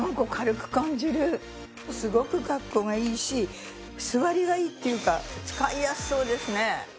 すごくカッコがいいし据わりがいいっていうか使いやすそうですね。